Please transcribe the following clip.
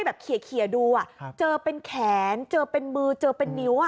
แบบเขียดูเจอเป็นแขนเจอเป็นมือเจอเป็นนิ้ว